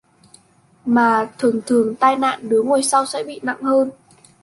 mà thường thường tai nạn đứa ngồi sau sẽ bị nặng hơn